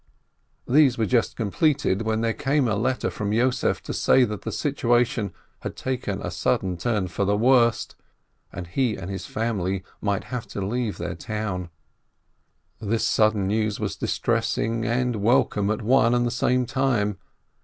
These were just completed, when there came a letter from Yossef to say that the situation had taken a sudden turn for the worse, and he and his family might have to leave their town. This sudden news was distressing and welcome at one and the same time.